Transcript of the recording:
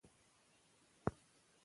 آیا په ښوونځي کې د ماشومانو زړونه ماتېږي؟